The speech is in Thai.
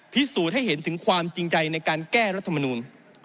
พิสูจน์ให้เห็นถึงความจริงใจในการแก้รัฐมนูล